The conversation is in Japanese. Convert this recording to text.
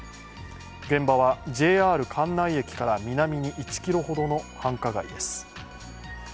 現場はＪＲ関内駅から南に１ｋｍほどの繁華街です。